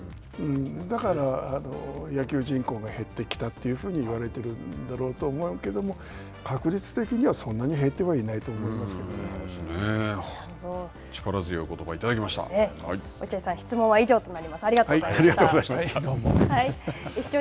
だから、野球人口が減ってきたというふうに言われてるんだろうと思うけど、確率的にはそんなに減ってはいな力強いおことばをいただきまし落合さん、質問は以上となります。